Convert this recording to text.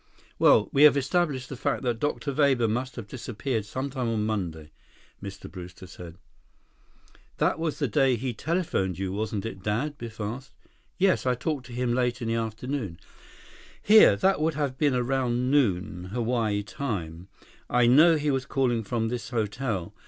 "Well, we have established the fact that Dr. Weber must have disappeared sometime on Monday," Mr. Brewster said. "That was the day he telephoned you, wasn't it, Dad?" Biff asked. "Yes. I talked to him late in the afternoon. Here, that would have been around noon, Hawaii time. I know he was calling from this hotel.